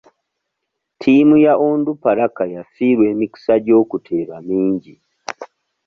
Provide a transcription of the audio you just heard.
Ttiimu ya Onduparaka yafiirwa emikisa gy'okuteeba mingi.